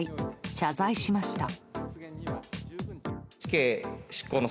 謝罪しました。